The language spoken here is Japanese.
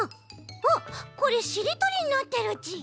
あっこれしりとりになってるち！